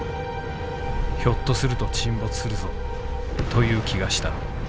ひょっとすると沈没するぞという気がした。